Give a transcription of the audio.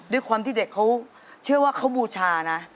ด้วยความที่เด็กเขาเชื่อว่าเขาบูชานะ